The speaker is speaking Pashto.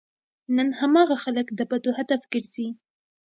نن هماغه خلک د بدو هدف ګرځي.